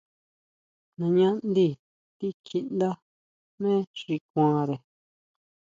Nañá ndí tikjíʼndá jmé xi kuanre.